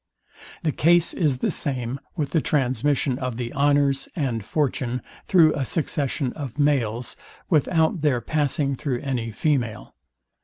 The case is the same with the transmission of the honours and fortune through a succession of males without their passing through any female.